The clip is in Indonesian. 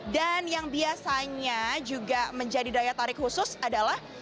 dan yang biasanya juga menjadi daya tarik khusus adalah